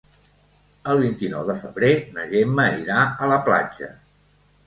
El vint-i-nou de febrer na Gemma irà a la platja.